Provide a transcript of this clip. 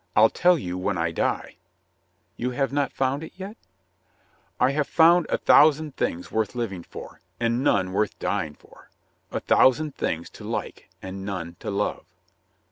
"I'll tell you when I die." "You have not found it yet?" "I have found a thousand things worth living for, and none worth dying for — a thousand things to like, and none to love."